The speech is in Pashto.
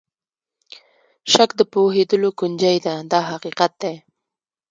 شک د پوهېدلو کونجۍ ده دا حقیقت دی.